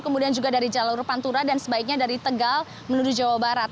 kemudian juga dari jalur pantura dan sebaiknya dari tegal menuju jawa barat